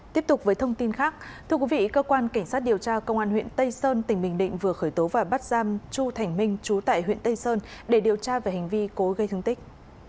tiếp tục với thông tin khác thưa quý vị cơ quan cảnh sát điều tra công an huyện tây sơn tỉnh bình định vừa khởi tố và bắt giam chu thành minh chú tại huyện tây sơn để điều tra về hành vi cố gây thương tích